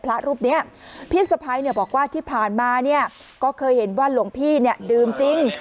พระรูปนี้พี่สะพ้ายบอกว่าที่ผ่านมาเนี่ยก็เคยเห็นว่าหลวงพี่เนี่ยดื่มจริง